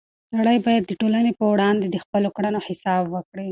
سړی باید د ټولنې په وړاندې د خپلو کړنو حساب ورکړي.